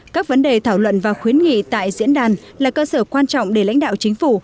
các vấn đề thảo luận và khuyến nghị tại diễn đàn là cơ sở quan trọng để lãnh đạo chính phủ